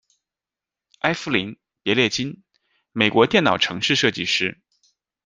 艾芙琳·别列津，美国电脑程式设计师。